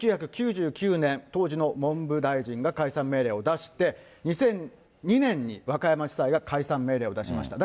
１９９９年、当時の文部大臣が解散命令を出して、２００２年に、和歌山地裁が解散命令を出しました。